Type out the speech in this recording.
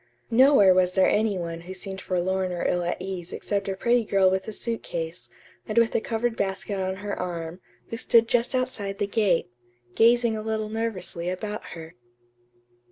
Nowhere was there any one who seemed forlorn or ill at ease except a pretty girl with a suit case, and with a covered basket on her arm, who stood just outside the gate, gazing a little nervously about her.